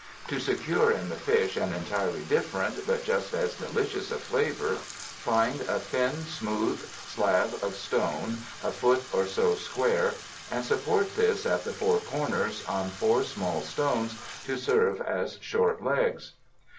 To secure in the fish an entirely different but just as delicious a flavor, find a thin, smooth slab of stone a foot or so square, and support this at the four corners on four small stones to serve as short legs.